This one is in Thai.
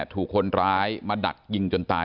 ถูกคนร้ายมาดักยิงจนตาย